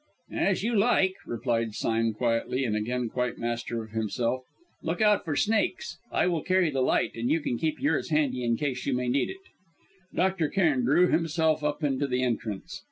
"As you like," replied Sime quietly, and again quite master of himself. "Look out for snakes. I will carry the light and you can keep yours handy in case you may need it." Dr. Cairn drew himself up into the entrance.